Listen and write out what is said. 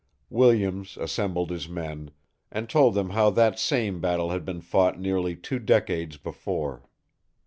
Williams assembled his men, and told them how that same battle had been fought nearly two decades before.